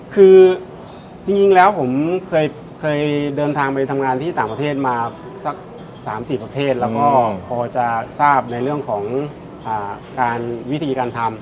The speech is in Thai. คือจริงแล้วผมเคยเดินทางไปทำงานที่ต่างประเทศมาสัก๓๔ประเทศแล้วก็พอจะทราบในเรื่องของการวิธีการทำ